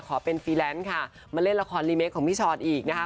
ขอเป็นฟรีแลนซ์ค่ะมาเล่นละครรีเมคของพี่ชอตอีกนะคะ